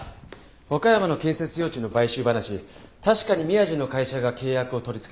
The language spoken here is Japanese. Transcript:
和歌山の建設用地の買収話確かに宮地の会社が契約を取りつけていました。